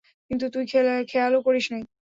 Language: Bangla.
কিন্তু তুই খেয়ালও করিস নাই।